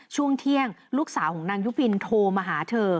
ช่วงเที่ยงลูกสาวของนางยุพินโทรมาหาเธอ